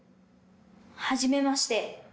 はじめまして。